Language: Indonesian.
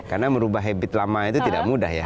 karena merubah habit lama itu tidak mudah ya